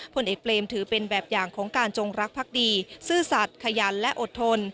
ผลเอกเปรมถือเป็นแบบอย่างของการจงรักพักดีซื่อสัตว์ขยันและอดทน